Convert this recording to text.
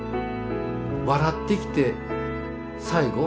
笑って生きて最期